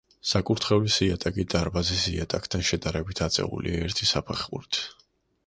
საკურთხევლის იატაკი დარბაზის იატაკთან შედარებით აწეულია ერთი საფეხურით.